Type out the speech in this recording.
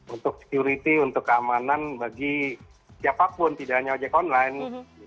untuk security untuk keamanan bagi siapapun tidak hanya ojek online